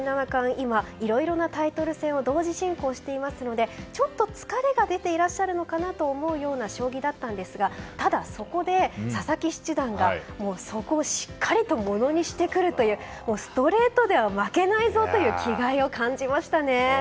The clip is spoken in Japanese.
今いろいろなタイトル戦を同時進行していますのでちょっと疲れが出ていらっしゃるのかなというような将棋だったんですが、ただそこで佐々木七段がそこをしっかりとものにしてくるというストレートでは負けないぞという気概を感じましたね。